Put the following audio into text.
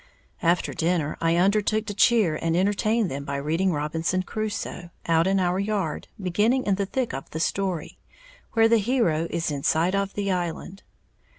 After dinner I undertook to cheer and entertain them by reading Robinson Crusoe, out in our yard, beginning in the thick of the story, where the hero is in sight of his island.